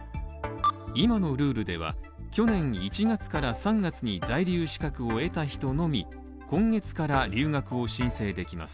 今のルールでは、去年１月から３月に在留資格を得た人のみ今月から留学を申請できます。